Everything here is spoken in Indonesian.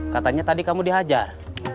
katanya tadi kamu dihajar